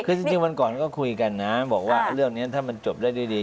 คือจริงวันก่อนก็คุยกันนะบอกว่าเรื่องนี้ถ้ามันจบได้ดี